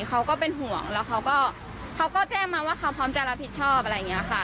เขาก็เป็นห่วงแล้วเขาก็เขาก็แจ้งมาว่าเขาพร้อมจะรับผิดชอบอะไรอย่างนี้ค่ะ